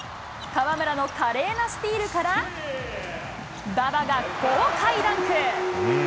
河村の華麗なスティールから、馬場が豪快ダンク。